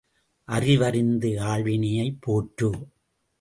அறிவறிந்த ஆள்வினையைப் போற்று!